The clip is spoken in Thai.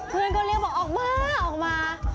เพื่อนก็เรียกบอกออกมาออกมา